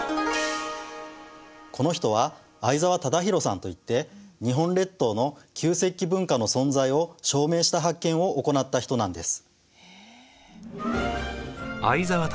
この人は相沢忠洋さんといって日本列島の旧石器文化の存在を証明した発見を行った人なんです。